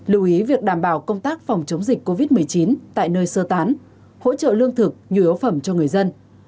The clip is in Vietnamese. lưu ý việc đảm bảo công tác phòng chống dịch covid một mươi chín tại nơi sơ tán hỗ trợ lương thực nhu yếu phẩm cho người dân